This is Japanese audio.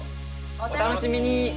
お楽しみに！